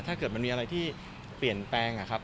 ถ้าเกิดมันมีอะไรที่เปลี่ยนแปลงอะครับ